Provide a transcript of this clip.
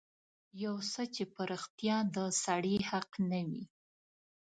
يو څه چې په رښتيا د سړي حق نه وي.